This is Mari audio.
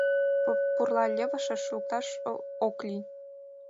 П-пурла левышыш лукташ о-ок лий...